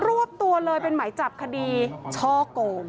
รวบตัวเลยเป็นหมายจับคดีช่อโกง